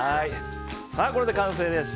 これで完成です。